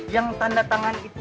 yang tanda tangan itu